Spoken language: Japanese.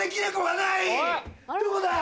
どこだ？